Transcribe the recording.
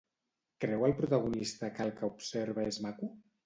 Creu el protagonista que el que observa és maco?